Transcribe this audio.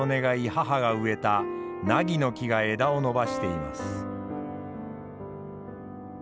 母が植えた梛の木が枝を伸ばしています。